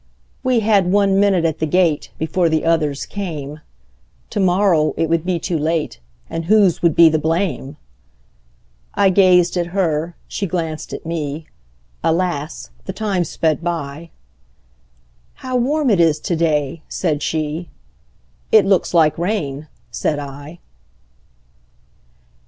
We had one minute at the gate, Before the others came; To morrow it would be too late, And whose would be the blame!I gazed at her, she glanced at me; Alas! the time sped by:"How warm it is to day!" said she;"It looks like rain," said I.